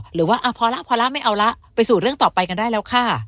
หรือว่าพอแล้วพอแล้วไม่เอาละไปสู่เรื่องต่อไปกันได้แล้วค่ะ